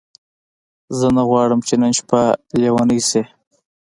زه نه غواړم چې نن شپه لیونۍ شې.